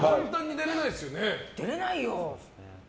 出れないよ。